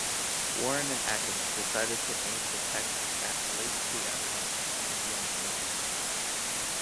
Warren and Ackerman decided to aim the text at late pre-adolescents and young teenagers.